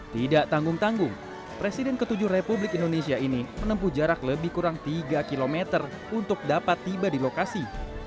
tidak tanggung tanggung presiden ke tujuh republik indonesia ini menempuh jarak lebih kurang tiga km untuk dapat tiba di lokasi